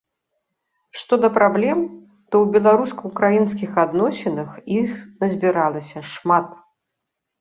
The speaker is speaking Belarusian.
Што да праблем, то ў беларуска-украінскіх адносінах, іх назбіралася шмат.